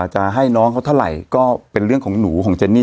จะให้น้องเขาเท่าไหร่ก็เป็นเรื่องของหนูของเจนนี่